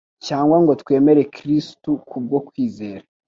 cyangwa ngo twemere Kristo kubwo kwizera,